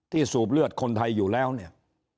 สูบเลือดคนไทยอยู่แล้วเนี่ย